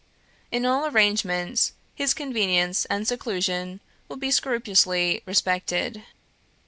In all arrangements, his convenience and seclusion will be scrupulously respected.